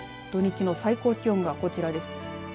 土日の最高気温がこちらです。